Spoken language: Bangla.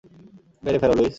মেরে ফেলো, লুইস।